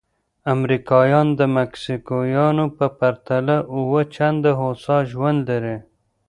امریکایان د مکسیکویانو په پرتله اووه چنده هوسا ژوند لري.